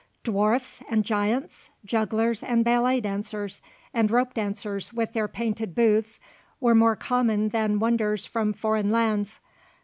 Dwarfs and giants, jugglers and ballet dancers and rope dancers with their painted booths were more common than wonders from foreign lands.